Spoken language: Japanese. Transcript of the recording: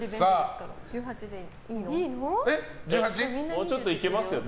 もうちょっといけますよ。